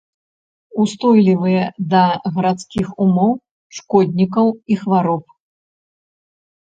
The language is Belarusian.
Устойлівыя да гарадскіх умоў, шкоднікаў і хвароб.